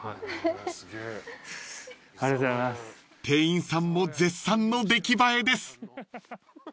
［店員さんも絶賛の出来栄えです］